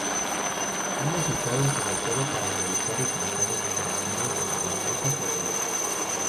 Ambas se usaron sobre todo para realizar esmaltados decorativos sobre baldosas o azulejos.